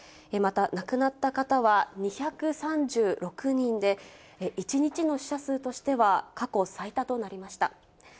また亡くなった方は２３６人で、１日の死者数としては過去最多となりました。